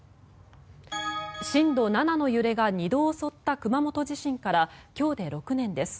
震度７の揺れが２度襲った熊本地震から今日で６年です。